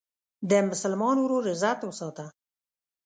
د مسلمان ورور عزت وساته.